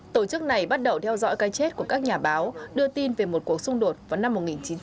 tổ chức này bắt đầu theo dõi cái chết của các nhà báo đưa tin về một cuộc xung đột vào năm một nghìn chín trăm bảy mươi